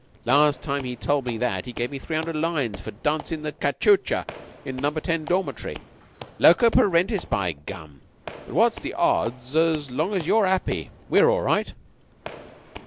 Last time he told me that he gave me three hundred lines for dancin' the cachuca in Number Ten dormitory. Loco parentis, by gum! But what's the odds as long as you're 'appy? We're all right."